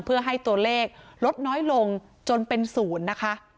เพื่อให้ตัวเลขลดน้อยลงจนเป็นศูนย์นะคะ